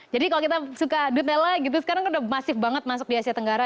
jadi kalau kita suka nutella gitu sekarang kan udah masif banget masuk di asia tenggara